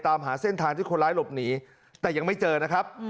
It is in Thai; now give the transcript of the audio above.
ตามหาเส้นทางที่คนร้ายหลบหนีแต่ยังไม่เจอนะครับ